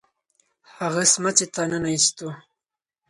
هغه سمڅې ته ننه ایستو.